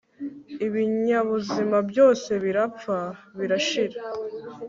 ibinyabuzima byose birapfa birashira